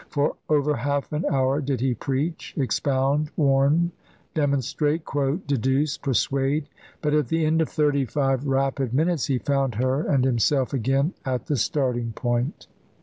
For over half an hour did he preach, expound, warn, demonstrate, quote, deduce, persuade; but at the end of thirty five rapid minutes he found her and himself again at the starting point.